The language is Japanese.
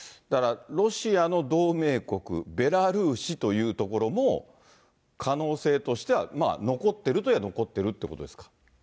ロシアの同盟国、ベラルーシというところも、可能性としては、残ってるといえば残ってるということですか。